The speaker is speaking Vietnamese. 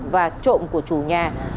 và trộm của chủ nhà